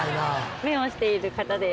目をしている方です。